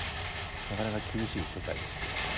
なかなか厳しい世界ですよね。